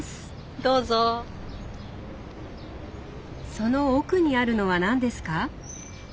その奥にあるのは何ですか？